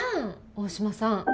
大島さん